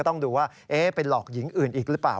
ต้องดูว่าไปหลอกหญิงอื่นอีกหรือเปล่า